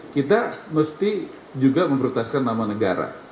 kita mesti juga mempertaskan nama negara